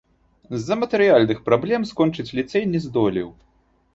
З-за матэрыяльных праблем скончыць ліцэй не здолеў.